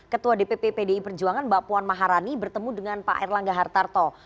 ketua dpp pdi perjuangan mbak puan maharani bertemu dengan pak erlangga hartarto